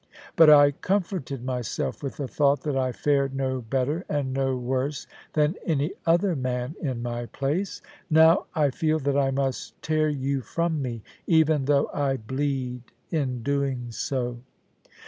But I comforted myself with the thought that I fared no better and no worse than any other man in my place. Now I feel that I must tear you from me, even though I bleed in doing so.